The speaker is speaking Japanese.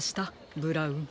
ブラウン。